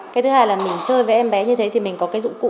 cái thứ hai là mình chơi với em bé như thế thì mình có cái dụng cụ